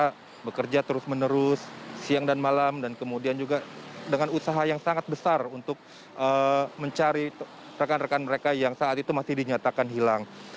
mereka bekerja terus menerus siang dan malam dan kemudian juga dengan usaha yang sangat besar untuk mencari rekan rekan mereka yang saat itu masih dinyatakan hilang